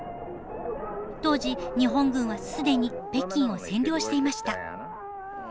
当時日本軍はすでに北京を占領していました。